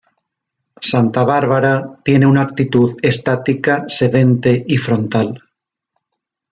Santa Bárbara tiene una actitud estática, sedente y frontal.